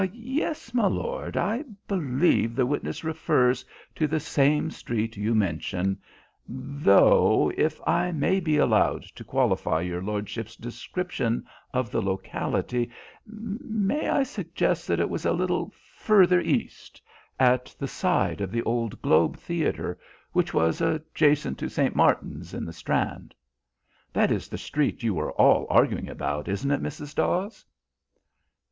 "Yes, my lord, I believe the witness refers to the same street you mention, though, if I may be allowed to qualify your lordship's description of the locality, may I suggest that it was a little further east at the side of the old Globe Theatre, which was adjacent to St. Martin's in the Strand? That is the street you were all arguing about, isn't it, Mrs. Dawes?"